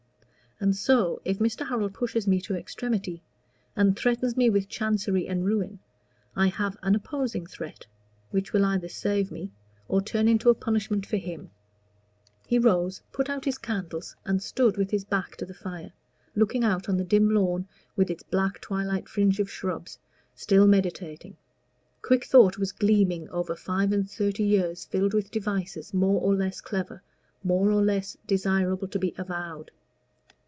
"And so, if Mr. Harold pushes me to extremity, and threatens me with chancery and ruin, I have an opposing threat, which will either save me or turn into a punishment for him." He rose, put out his candles, and stood with his back to the fire, looking out on the dim lawn, with its black twilight fringe of shrubs, still meditating. Quick thought was gleaming over five and thirty years filled with devices more or less clever, more or less desirable to be avowed.